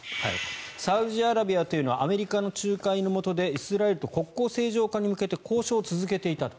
サウジアラビアというのはアメリカの仲介のもとでイスラエルと国交正常化に向けて交渉を続けていたと。